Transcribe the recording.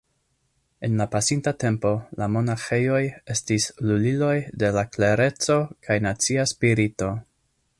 En la pasinta tempo, la monaĥejoj estis luliloj de la klereco kaj nacia spirito.